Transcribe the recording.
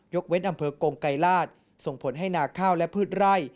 เว้นอำเภอกงไกรราชส่งผลให้นาข้าวและพืชไร่